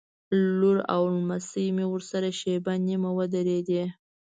لور او نمسۍ مې ورسره شېبه نیمه ودرېدې.